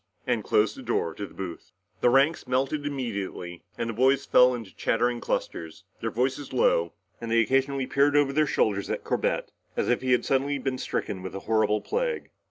and closed the door of the booth. The ranks melted immediately and the boys fell into chattering clusters, their voices low, and they occasionally peered over their shoulders at Corbett as if he had suddenly been stricken with a horrible plague.